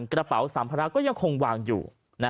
กระเป๋าสัมภาระก็ยังคงวางอยู่